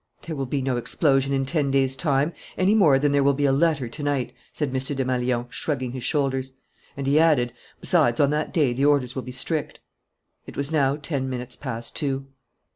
"There will be no explosion in ten days' time, any more than there will be a letter to night," said M. Desmalions, shrugging his shoulders. And he added, "Besides, on that day, the orders will be strict." It was now ten minutes past two.